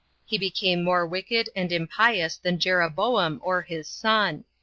He became more wicked and impious than Jeroboam or his son.